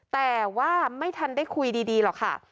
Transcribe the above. แต่ว่าไม่ทันได้คุยดีหรอกค่ะ